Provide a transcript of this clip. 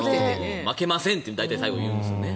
負けませんって最後に大体言うんですよね。